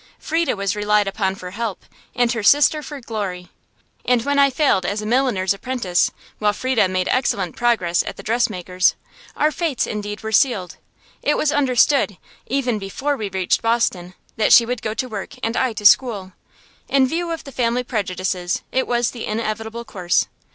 Frieda was relied upon for help, and her sister for glory. And when I failed as a milliner's apprentice, while Frieda made excellent progress at the dressmaker's, our fates, indeed, were sealed. It was understood, even before we reached Boston, that she would go to work and I to school. In view of the family prejudices, it was the inevitable course.